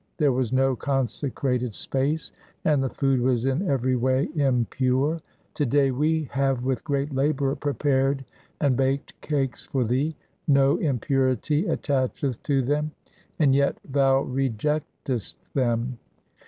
There was no consecrated space and the food was in every way impure. To day we have with great labour prepared and baked cakes for thee ; no impurity attacheth to them, and yet thou rejectest them.